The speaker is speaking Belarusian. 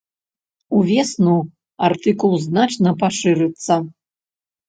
Увесну артыкул значна пашырыцца.